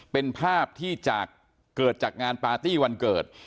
เป็นภาพที่จากเกิดจากงานปาร์ตี้วันเกิด